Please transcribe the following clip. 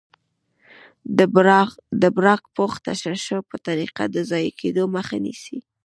د براق پوښ تشعشع په طریقه د ضایع کیدو مخه نیسي.